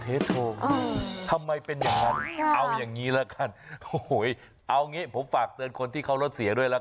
เอาอย่างงี้เอางี้ผมฝากเตือนคนที่เขาร่ดเสียด้วย